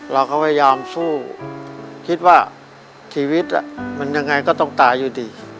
เราก็พยายามสู้คิดว่าชีวิตมันยังไงก็ต้องตายอยู่ดี